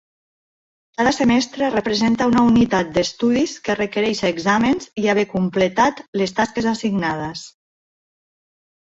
Cada semestre representa una unitat d'estudis que requereix exàmens i haver completat les tasques assignades.